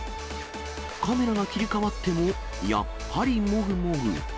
カメラが切り替わっても、やっぱりもぐもぐ。